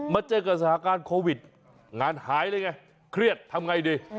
เจอกับสถานการณ์โควิดงานหายเลยไงเครียดทำไงดี